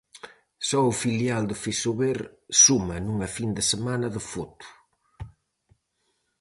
Só o filial do Fisober suma nunha fin de semana de foto.